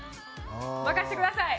任せてください。